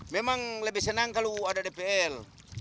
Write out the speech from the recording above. memang lebih senang kalau ada dpr